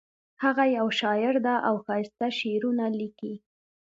هغه یو شاعر ده او ښایسته شعرونه لیکي